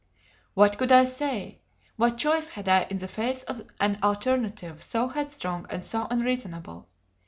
What could I say? What choice had I in the face of an alternative so headstrong and so unreasonable?